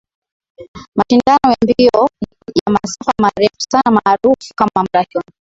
Mashindano ya mbio ya masafa marefu sana maarufu kama Marathon